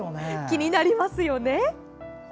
気になりますよね。